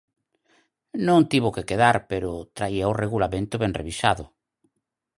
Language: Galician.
Non tivo que quedar, pero traía o regulamento ben revisado.